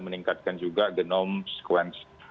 meningkatkan juga genome sequence